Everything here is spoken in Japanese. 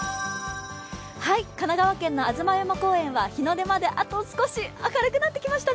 神奈川県の吾妻山公園は日の出までもう少し、明るくなってきましたね。